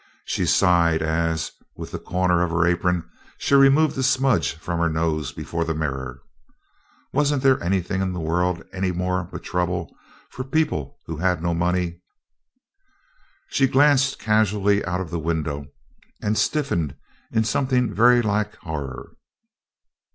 She sighed as, with the corner of her apron, she removed a smudge from her nose before the mirror. Wasn't there anything in the world any more but trouble for people who had no money? She glanced casually out of the window and stiffened in something very like horror.